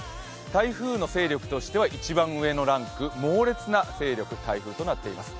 台風の勢力としては一番上のランク猛烈な勢力の台風となっています。